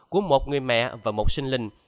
của một người mẹ và một sinh linh